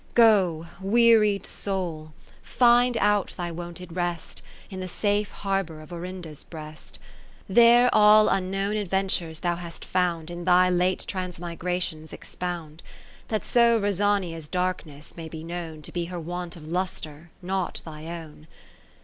Go, wearied Soul, find out thy wonted rest. In the safe harbour of Orinda's Breast ; There all unknown adventures thou hast found In thy late transmigrationsexpound ; That so Rosania's darkness may be known 1 1 To be her want of lustre, not thy own.